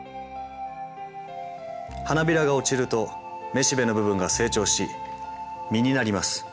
花びらが落ちるとめしべの部分が成長し実になります。